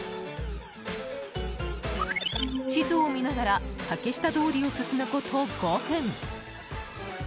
地図を見ながら竹下通りを進むこと５分。